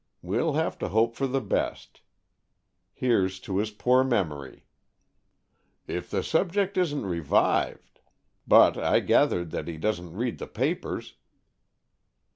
We'll have to hope for the best. Here's to his poor memory!" "If the subject isn't revived! But I gathered that he doesn't read the papers."